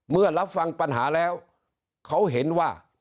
เมื่อรับฟังปัญหาแล้วเขาเห็นว่า